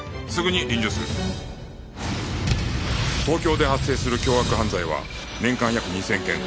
東京で発生する凶悪犯罪は年間約２０００件